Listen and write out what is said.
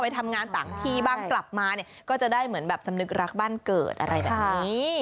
ไปทำงานต่างทีบ้างกลับมาก็จะได้สำนึกรักบ้านเกิดอะไรแบบนี้